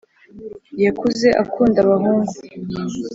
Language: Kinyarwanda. yakuze, akunda abahungu.